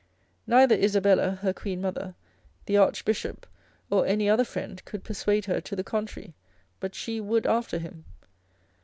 Neither Isabella her queen mother, the archbishop, or any other friend could persuade her to the contrary, but she would after him.